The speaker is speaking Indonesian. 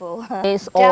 dari padang amaro